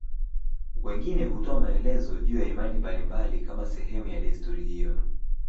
Wengine hutoa maelezo juu ya imani mbalimbali kama sababu ya desturi hiyo.